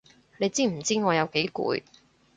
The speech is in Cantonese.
你知唔知我有幾攰？